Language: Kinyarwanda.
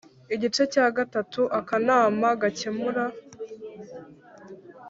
Igice cya gatatu Akanama gakemura